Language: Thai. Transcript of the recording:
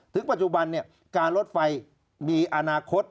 ถึงปัจจุบันการรถไฟมีอนาคต